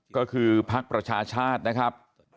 ก็คือพรรษชาชนนะครับ